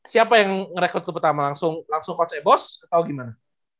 siapa yang ngerekrut pertama langsung konse bos atau gimana